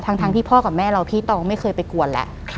ทั้งที่พ่อกับแม่เราพี่ตองไม่เคยไปกวนแล้ว